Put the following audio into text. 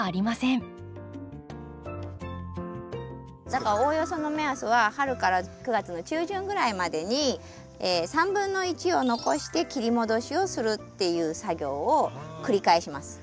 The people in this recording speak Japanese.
だからおおよその目安は春から９月の中旬ぐらいまでに３分の１を残して切り戻しをするっていう作業を繰り返します。